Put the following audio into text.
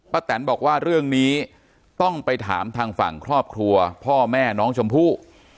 แตนบอกว่าเรื่องนี้ต้องไปถามทางฝั่งครอบครัวพ่อแม่น้องชมพู่